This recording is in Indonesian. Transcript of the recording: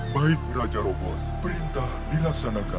baik raja robot perintah dilaksanakan